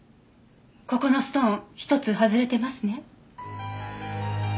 ここのストーン１つ外れてますね。